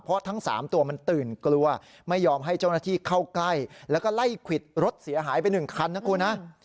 เพราะทั้ง๓ตัวมันตื่นกลัวไม่ยอมให้เจ้าหน้าที่เข้าใกล้แล้วก็ไล่ควิดรถเสียหายไป๑คันนะคุณนะ